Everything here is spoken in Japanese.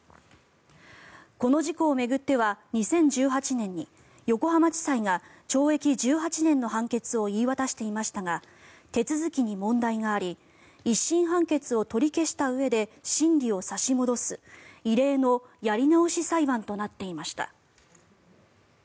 この事故を巡っては２０１８年に横浜地裁が懲役１８年の判決を言い渡していましたが手続きに問題があり一審判決を取り消したうえで審理を差し戻す異例のやり直し裁判となっていました。